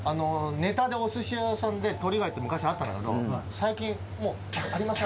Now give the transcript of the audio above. ネタでお寿司屋さんでとり貝って昔あったんだけど最近もう「ありません」